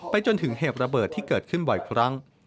จนถึงเหตุระเบิดที่เกิดขึ้นบ่อยครั้ง